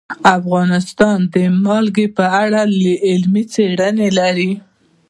افغانستان د نمک په اړه علمي څېړنې لري.